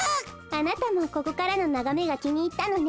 あなたもここからのながめがきにいったのね。